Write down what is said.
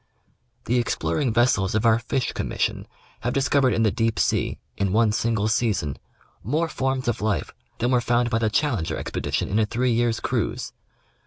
The exploring vessels of our Fish Commission have discovered in the deep sea, in one single season, more forms of life than were found by the Challenger Expedition in a three years' cruise.